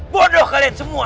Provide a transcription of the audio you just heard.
bodoh kalian semua